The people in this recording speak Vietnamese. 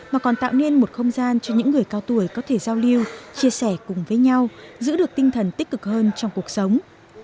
mà còn tạo nên một không gian cho những người cao tuổi có thể giao lưu chia sẻ cùng với nhau giữ được tinh thần tích cực hơn trong cuộc sống